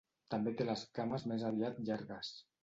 També té les cames més aviat llargues.